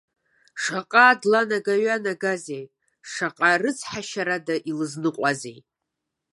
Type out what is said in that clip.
Шаҟа дланага-ҩанагазеи, шаҟа рыцҳашьарада илызныҟәазеи!